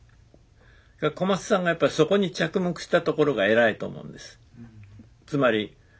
小松さんがやっぱりそこに着目したところが偉いと思うんです。